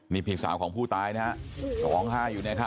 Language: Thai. นี่พี่สาวของผู้ตายนะฮะร้องไห้อยู่นะครับ